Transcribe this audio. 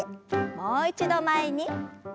もう一度前に。